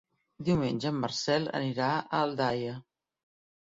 Diumenge en Marcel anirà a Aldaia.